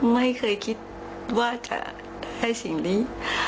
ไม่เคยคิดว่าจะให้สิ่งนี้